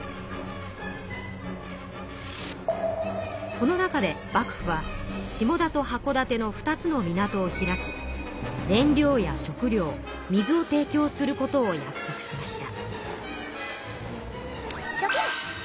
この中で幕府は下田と箱館の２つの港を開き燃料や食料水を提供することを約束しました。